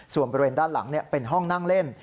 ส่วนบริเวณด้านหลังเป็นห้องนั่งเล่น